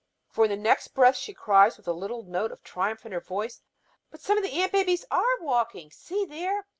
For in the next breath she cries, with a little note of triumph in her voice: "But some of the ant babies are walking. See there!